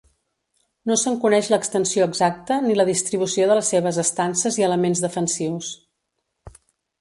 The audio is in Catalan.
No se'n coneix l'extensió exacta ni la distribució de les seves estances i elements defensius.